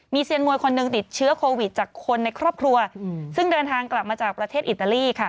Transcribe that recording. เซียนมวยคนหนึ่งติดเชื้อโควิดจากคนในครอบครัวซึ่งเดินทางกลับมาจากประเทศอิตาลีค่ะ